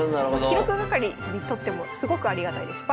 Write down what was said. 記録係にとってもすごくありがたいです。